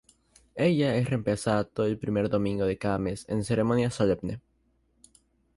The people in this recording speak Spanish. Ella es reemplazada todo el primer domingo de cada mes en ceremonia solemne.